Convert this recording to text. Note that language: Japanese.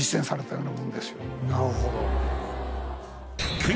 なるほど。